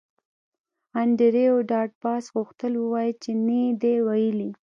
انډریو ډاټ باس غوښتل ووایی چې نه یې دی ویلي